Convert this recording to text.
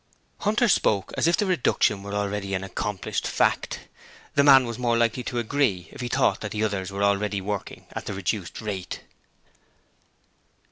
Hunter spoke as if the reduction were already an accomplished fact. The man was more likely to agree, if he thought that others were already working at the reduced rate.